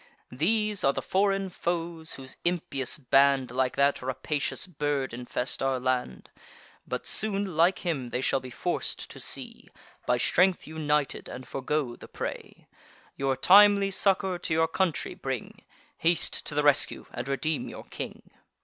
These are the foreign foes, whose impious band, Like that rapacious bird, infest our land: But soon, like him, they shall be forc'd to sea By strength united, and forego the prey. Your timely succour to your country bring, Haste to the rescue, and redeem your king."